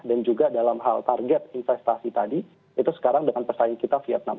dan juga dalam hal target investasi tadi itu sekarang dengan pesaing kita vietnam